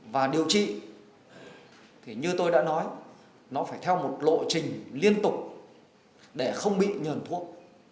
và điều trị thì như tôi đã nói nó phải theo một lộ trình liên tục để không bị nhờn thuốc